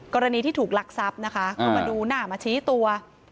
กรณีที่ถูกหลักซับนะคะเข้ามาดูหน้ามาชี้ตัว